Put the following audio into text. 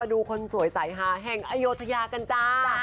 ดูคนสวยสายฮาแห่งอโยธยากันจ้า